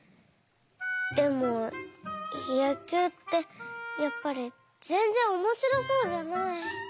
でもやきゅうってやっぱりぜんぜんおもしろそうじゃない。